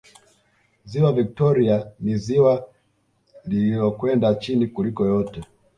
Ziwa Viktoria ni ziwa illokwenda chini kuliko yote